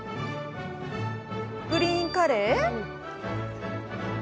グリーンカレー？